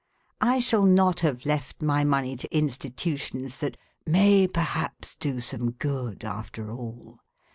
I shall not have left my money to institutions that " may perhaps do some good after all."